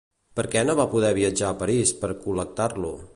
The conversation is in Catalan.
Per què no va poder viatjar a París per col·lectar-lo?